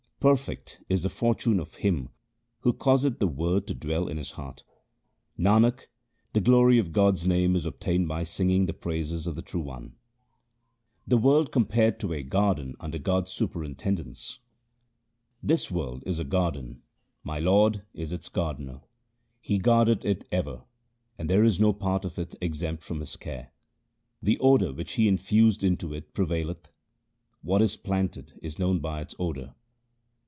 Perfect is the fortune of him who causeth the Word to dwell in his heart. Nanak, the glory of God's name is obtained by singing the praises of the True One. HYMNS OF GURU AMAR DAS 175 The world compared to a garden under God's superintendence :— This world is a garden ; my Lord is its Gardener : He guardeth it ever, and there is no part of it exempt from His care. The odour which He infused into it prevaileth ; what is planted is known by its odour.